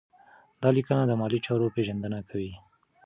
دا لیکنه د مالي چارو پیژندنه کوي.